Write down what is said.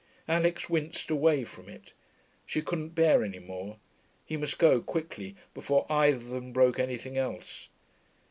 Alix winced away from it. She couldn't bear any more: he must go, quickly, before either of them broke anything else.